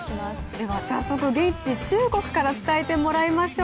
では早速現地中国から伝えていただきましょう。